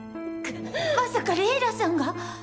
まさかレイラさんが？